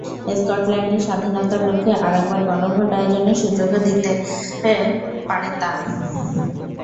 স্কটল্যান্ডের স্বাধীনতার লক্ষ্যে আরেকবার গণভোট আয়োজনের সুযোগও করে দিতে পারে তা।